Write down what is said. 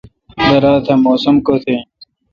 درا تہ موسم کت این